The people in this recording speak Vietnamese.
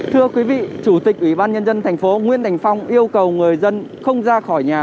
thưa quý vị chủ tịch ủy ban nhân dân thành phố nguyễn thành phong yêu cầu người dân không ra khỏi nhà